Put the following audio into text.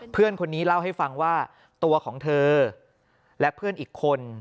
เพื่อนคนนี้เล่าให้ฟังว่าตัวของเธอและเพื่อนอีกคน